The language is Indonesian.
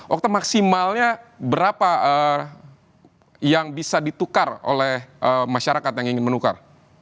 waktu maksimalnya berapa yang bisa ditukar oleh masyarakat yang ingin menukar